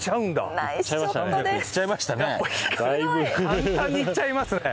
簡単にいっちゃいますね。